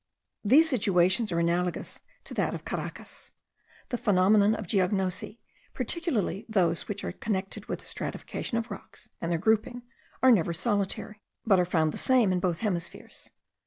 These situations are analogous to that of Caracas. The phenomena of geognosy, particularly those which are connected with the stratification of rocks, and their grouping, are never solitary; but are found the same in both hemispheres.